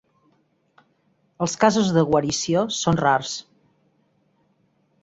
Els casos de guarició són rars.